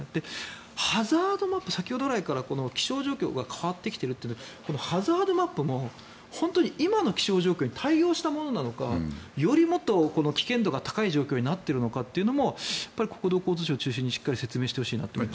ハザードマップ先ほど来から気象状況が変わってきているというのはこのハザードマップも本当に今の気象状況に対応したものなのかよりもっと、危険度が高い状況になっているのかということも国土交通省を中心にしっかり説明してほしいと思いますね。